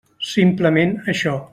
Simplement això.